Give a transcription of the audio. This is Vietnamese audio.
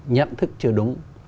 nhận thức chưa đúng